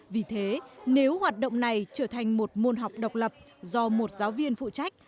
vì thế nếu hoạt động này trở thành một môn học độc lập do một giáo viên phụ trách